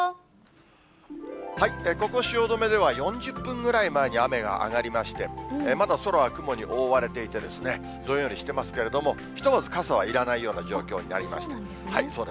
ここ、汐留では４０分ぐらい前に雨が上がりまして、まだ空は雲に覆われていてですね、どんよりしてますけれども、ひとまず傘はいらないような状況になりました。